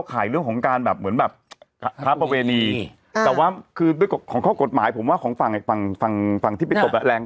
เต็มฮะร้อยเปอร์เซ็นต์อันนี้ไม่ต้องพูดถึง